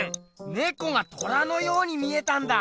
ねこが虎のように見えたんだ！